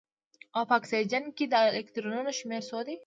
او په اکسیجن کې د الکترونونو شمیر څو دی